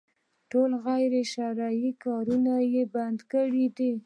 ټول غير شرعي کارونه يې بند کړي دي.